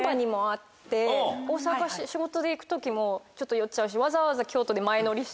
大阪仕事で行く時もちょっと寄っちゃうし。